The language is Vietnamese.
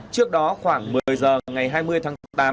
trước đó khoảng một mươi giờ ngày hai mươi tháng tám